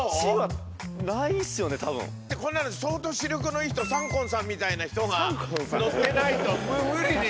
こんなの相当視力のいい人サンコンさんみたいな人が乗ってないと無理でしょう？